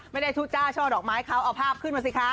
ไม่ได้ทูจ้าช่อดอกไม้เขาเอาภาพขึ้นมาสิคะ